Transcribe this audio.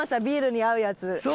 ビールに合うやつ。